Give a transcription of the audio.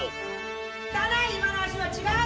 汚い、今の足は違う！